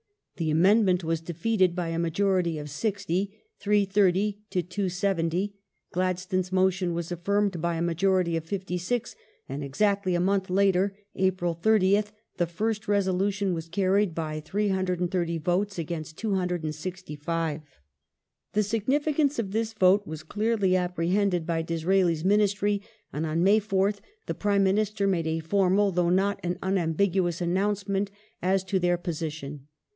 The amendment was defeated by a majority of sixty (330 to 270), Gladstone's mo tion was affirmed by a majority of fifty six, and exactly a month later (April 30th) the first resolution was carried by 330 votes against 265. Position of The significance of this vote was clearly apprehended by Dis raeli's Ministry, and on May 4th the Prime Minister made a formal, though not an unambiguous, announcement as to their position.